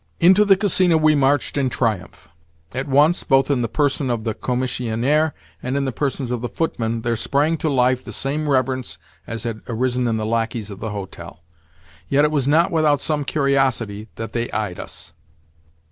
Into the Casino we marched in triumph. At once, both in the person of the commissionaire and in the persons of the footmen, there sprang to life the same reverence as had arisen in the lacqueys of the hotel. Yet it was not without some curiosity that they eyed us.